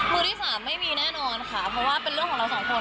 มือที่สามไม่มีแน่นอนค่ะเพราะว่าเป็นเรื่องของเราสองคน